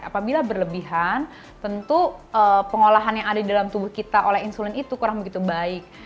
apabila berlebihan tentu pengolahan yang ada di dalam tubuh kita oleh insulin itu kurang begitu baik